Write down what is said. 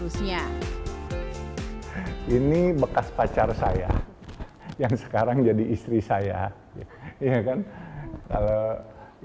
sebenarnya ini adalah kekuatan yang terbaik untuk memiliki kekuatan yang terbaik untuk memiliki kekuatan yang terbaik